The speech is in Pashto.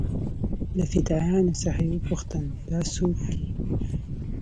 له فدايانو څخه يې وپوښتل دا سوک دې.